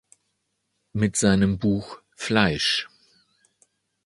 Mit seinem Buch „Fleisch.